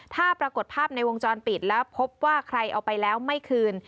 ถ้าปรากฏภาพในวงจรปิดแล้วพบว่าใครเอาไปแล้วไม่คืน